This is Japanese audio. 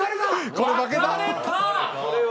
これ負けたわ。